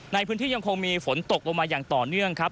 ในพื้นที่ยังคงมีฝนตกลงมาอย่างต่อเนื่องครับ